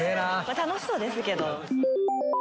楽しそうですけど。